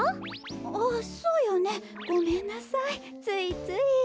あっそうよねごめんなさいついつい。